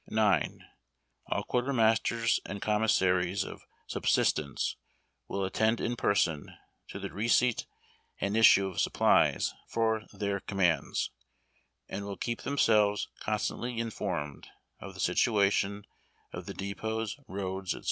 IX. All Quartermasters and Commissaries of Subsistence will attend in person to the receipt and issue of supplies for their commands, and will keep themselves constantly informed of the situation of the depots, roads, etc.